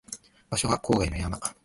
場所は郊外の山